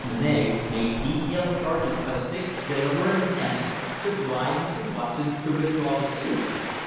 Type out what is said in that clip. Monnett, made detailed charges of six deliberate attempts to bribe Mr. Watson to withdraw the suits.